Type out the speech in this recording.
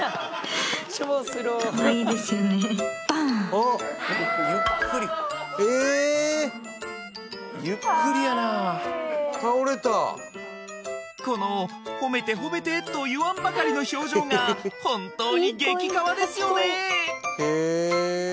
あっゆっくりええかわいい倒れたこの褒めて褒めてといわんばかりの表情が本当に激カワですよね